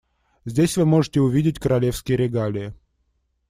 Здесь вы можете увидеть королевские регалии.